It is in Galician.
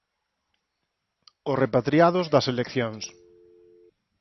Os repatriados das seleccións